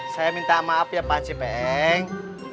saya minta maaf pak ancik peng